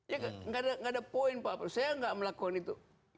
ya gak ada poin apa apa saya gak melakukan itu